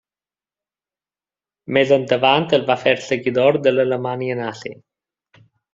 Més endavant es va fer seguidor de l'Alemanya Nazi.